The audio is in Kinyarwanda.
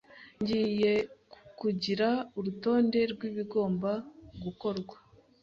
Ngiye kukugira urutonde rwibigomba gukorwa.